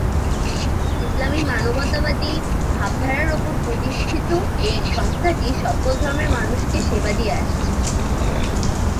ইসলামী মানবতাবাদী ভাবধারার ওপর প্রতিষ্ঠিত এই সংস্থাটি সকল ধর্মের মানুষকে সেবা দিয়ে আসছে।